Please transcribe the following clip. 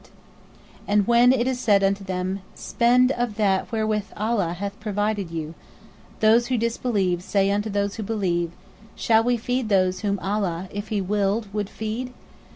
P: And when it is said unto them: Spend of that wherewith Allah hath provided you, those who disbelieve say unto those who believe: Shall we feed those whom Allah, if He willed, would feed?